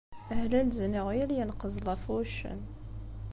Hlalzen yiɣyal, yenqeẓlaf wuccen.